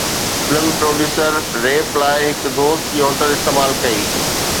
film producer rape لاءِ هڪ دوست جي هوٽل استعمال ڪئي